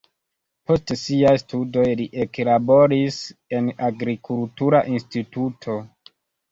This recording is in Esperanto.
Post siaj studoj li eklaboris en agrikultura instituto.